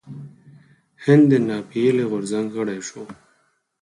هند د ناپیيلي غورځنګ غړی شو.